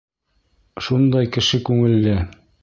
Шундай кеше күңелле.